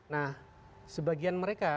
nah sebagian mereka